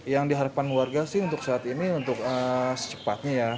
yang diharapkan warga sih untuk saat ini untuk secepatnya ya